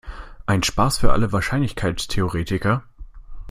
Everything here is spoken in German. Ein Spaß für alle Wahrscheinlichkeitstheoretiker.